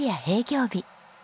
営業日。